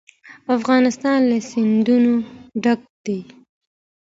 افغانستان له سیندونه ډک دی.